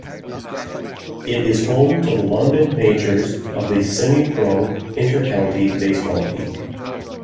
It is home to the London Majors of the semi-pro Intercounty Baseball League.